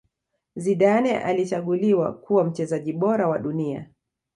Zidane alichaguliwe kuwa mchezaji bora wa dunia